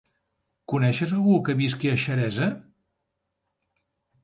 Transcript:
Coneixes algú que visqui a Xeresa?